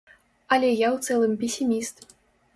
Але я ў цэлым песіміст.